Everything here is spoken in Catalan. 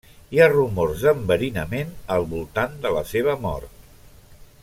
Hi ha rumors d'enverinament al voltant de la seva mort.